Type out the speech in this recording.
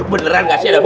beneran gak sih ada bom